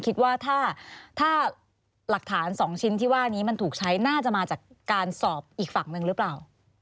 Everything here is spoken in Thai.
คิดว่าถ้าหลักฐาน๒ชิ้นที่ว่านี้มันถูกใช้น่าจะมาจากการสอบอีกฝั่งหนึ่งหรือเปล่า